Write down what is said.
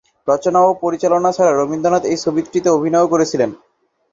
রচনা ও পরিচালনা ছাড়া রবীন্দ্রনাথ এই ছবিটিতে অভিনয়ও করেছিলেন।